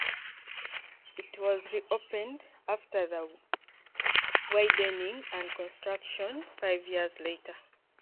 It was reopened after the widening and construction five years later.